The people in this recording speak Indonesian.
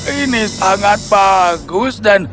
ini sangat bagus dan